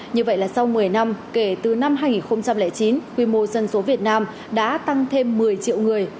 như vậy là sau một mươi năm kể từ năm hai nghìn chín quy mô dân số việt nam đã tăng thêm một mươi triệu người